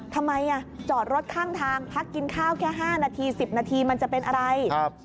ทำไมอ่ะจอดรถข้างทางพักกินข้าวแค่ห้านาทีสิบนาทีมันจะเป็นอะไรครับ